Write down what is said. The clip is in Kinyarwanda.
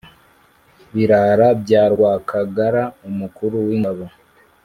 Birara bya Rwakagara umukuru w’ingabo